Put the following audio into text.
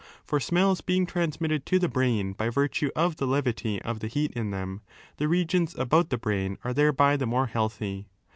For smells being transmitted to the brain by virtue of the levity of the heat in them, the regions about the brain are thereby the more healthy.